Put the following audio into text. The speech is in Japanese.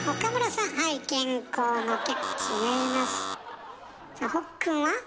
さあほっくんは？